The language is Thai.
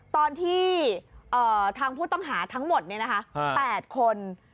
ตอนที่ทางผู้ตำหาทั้งหมดเนี่ยนะคะ๘คน